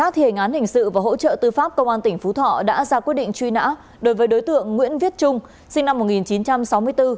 tình sự và hỗ trợ tư pháp công an tỉnh phú thọ đã ra quyết định truy nã đối với đối tượng nguyễn viết trung sinh năm một nghìn chín trăm sáu mươi bốn